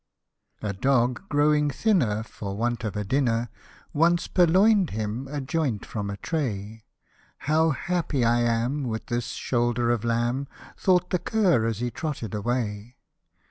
A DOG growing thinner, for want of a dinner, Once purloin'd him a joint from a tray ;" How happy I am, with this shoulder of lamb !" Thought the cur as he trotted away.